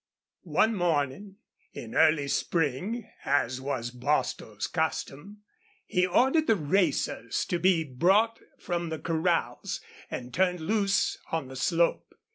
One morning in early spring, as was Bostil's custom, he ordered the racers to be brought from the corrals and turned loose on the slope.